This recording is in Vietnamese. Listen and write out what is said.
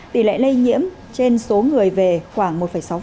tỷ lệ lây nhiễm trên số người về khoảng một sáu